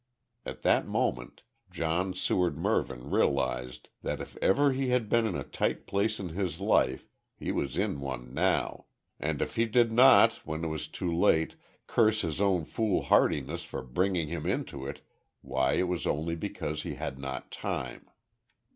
At that moment John Seward Mervyn realised that if ever he had been in a tight place in his life he was in one now, and if he did not, when too late, curse his own foolhardiness for bringing him into it, why it was only because he had not time.